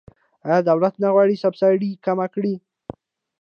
آیا دولت نه غواړي سبسایډي کمه کړي؟